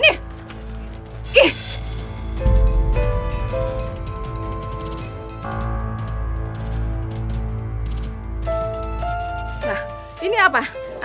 nah ini apa